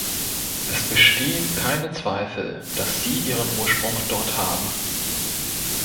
Es bestehen keine Zweifel, dass sie ihren Ursprung dort haben.